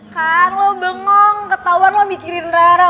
kan lo bengong ketahuan lo mikirin rara